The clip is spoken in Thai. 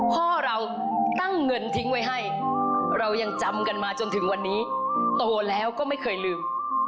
พ่อเราตั้งเงินทิ้งไว้ให้เรายังจำกันมาจนถึงวันนี้โตแล้วก็ไม่เคยลืม